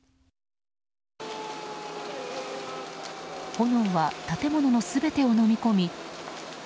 炎は建物の全てをのみ込み。